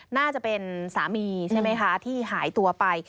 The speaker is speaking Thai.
น่าจะเป็นสามีใช่ไหมคะที่หายตัวไป